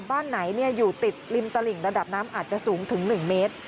บ้านไหนอยู่ติดริมตลิ่งระดับน้ำอาจจะสูงถึง๑เมตร